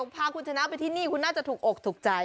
พาคุณชนะไปที่นี่คุณน่าจะถูกอกถูกใจ